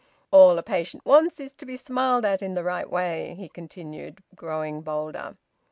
"All a patient wants is to be smiled at in the right way," he continued, growing bolder.